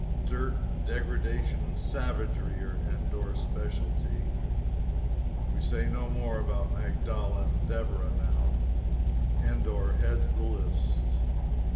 Dirt, degradation and savagery are Endor's specialty. We say no more about Magdala and Deburieh now. Endor heads the list.